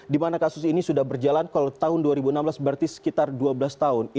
di mana kasus ini sudah berjalan kalau tahun dua ribu enam belas berarti sekitar dua belas tahun